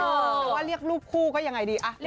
แต่ว่าเรียกรูปคู่ก็ยังไงดี